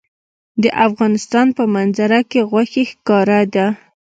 د افغانستان په منظره کې غوښې ښکاره ده.